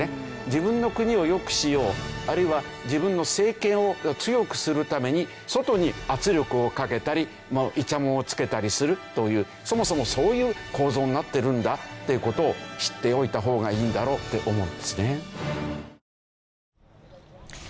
自分の国を良くしようあるいは自分の政権を強くするために外に圧力をかけたりイチャモンをつけたりするというそもそもそういう構造になっているんだという事を知っておいた方がいいんだろうって思うんですね。